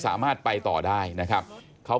ก็ต้องมาถึงจุดตรงนี้ก่อนใช่ไหม